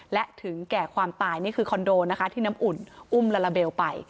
และถึงแก่ความตายนี่คือคอนโดนะคะที่น้ำอุ่นอุ้มลาลาเบลไป